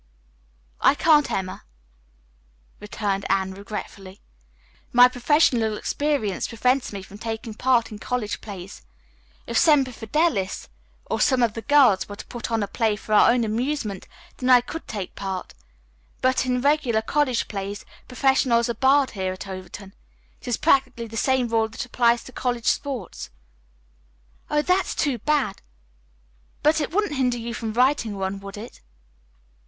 "I can't, Emma," returned Anne regretfully. "My professional experience prevents me from taking part in college plays. If Semper Fidelis, or some of the girls, were to put on a play for our own amusement, then I could take part, but in regular college plays professionals are barred here at Overton. It is practically the same rule that applies to college sports." "Oh, that is too bad! But it wouldn't hinder you from writing one, would it?"